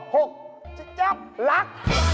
หกจั๊บลัก